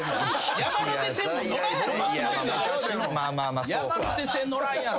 山手線も乗らんやろ。